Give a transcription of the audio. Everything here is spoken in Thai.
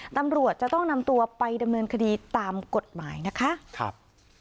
ตำรวจจะต้องนำตัวไปดำเนินคดีตามกฎหมายนะคะครับ